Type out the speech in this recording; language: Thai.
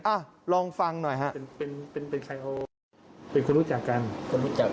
อ่ะลองฟังหน่อยฮะเป็นเป็นใครเอาเป็นคนรู้จักกันคนรู้จัก